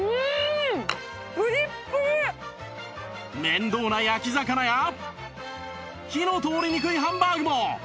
面倒な焼き魚や火の通りにくいハンバーグも！